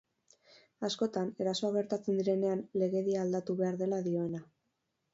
Askotan, erasoak gertatzen direnean legedia aldatu behar dela dioena.